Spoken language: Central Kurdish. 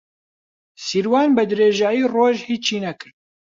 سیروان بەدرێژایی ڕۆژ هیچی نەکرد.